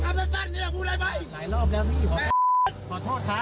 ความสนุกไม่ตามแล้วพิธีที่ต้องยึกมาส้ม